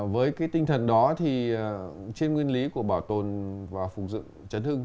với cái tinh thần đó thì trên nguyên lý của bảo tồn và phục dựng trấn hương